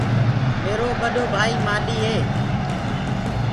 ميرو ٻڏو ڀآئيٚ مآلهيٚ هي۔